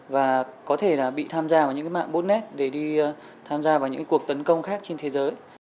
và có thể là bị tham gia vào những mạng